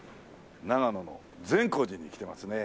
長野の善光寺に来てますね。